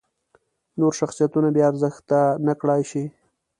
نور شخصیتونه بې ارزښته نکړای شي.